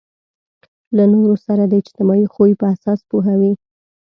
له نورو سره د اجتماعي خوی په اساس پوهوي.